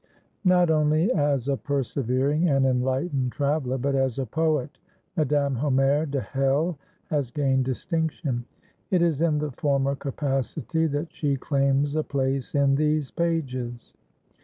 Not only as a persevering and enlightened traveller, but as a poet, Madame Hommaire de Hell has gained distinction. It is in the former capacity that she claims a place in these pages.